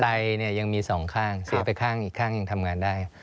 ยังมีสองข้างเสียไปข้างอีกข้างทำงานได้